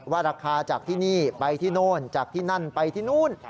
ว่าราคาจากที่นี่ไปที่โน่นจากที่นั่นไปที่นู่น